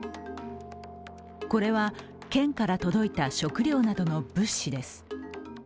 これは県から届いた食料などの物資です。